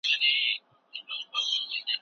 د کلونو په تیریدو سره نوي نظریات وزارت کیږي.